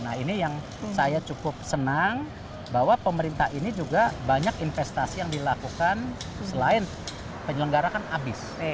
nah ini yang saya cukup senang bahwa pemerintah ini juga banyak investasi yang dilakukan selain penyelenggara kan habis